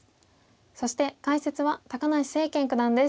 そして解説は高梨聖健九段です。